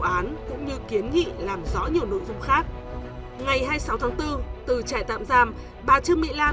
án cũng như kiến nghị làm rõ nhiều nội dung khác ngày hai mươi sáu tháng bốn từ trại tạm giam bà trương mỹ lan